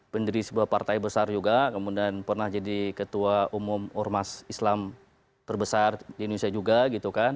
pendiri sebuah partai besar juga kemudian pernah jadi ketua umum ormas islam terbesar di indonesia juga gitu kan